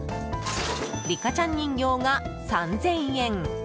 リカちゃん人形が３０００円。